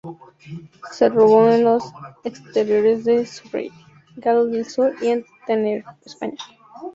Se rodó en los exteriores de Surrey, Gales del Sur y en Tenerife, España.